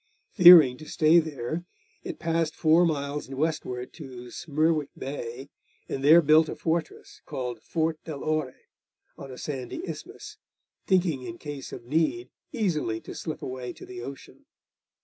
Fearing to stay there, it passed four miles westward to Smerwick Bay, and there built a fortress called Fort del Ore, on a sandy isthmus, thinking in case of need easily to slip away to the ocean.